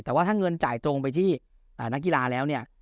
แต่ว่าถ้าเงินจ่ายตรงไปที่นักกีฬาแล้วเนี่ย